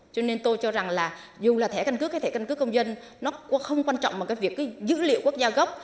cho nên tôi cho rằng là dù là thẻ căn cước hay thẻ căn cước công dân nó không quan trọng bằng cái việc dữ liệu quốc gia gốc